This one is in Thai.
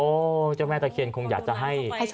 โอ้ยเจ้าแม่แต่เขียนคงอยากจะให้